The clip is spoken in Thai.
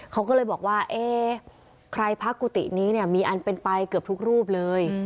เขาก็เลยบอกว่าเอ๊ะใครพระกุฏินี้เนี่ยมีอันเป็นไปเกือบทุกรูปเลย